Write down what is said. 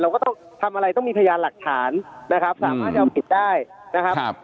ก็ต้องทำอะไรต้องมีพยานหลักฐานนะครับสามารถจะเอาผิดได้นะครับ